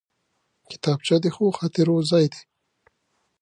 کتابچه د ښو خاطرو ځای دی